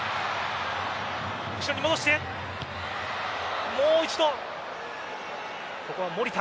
後ろに戻してもう一度ここは守田。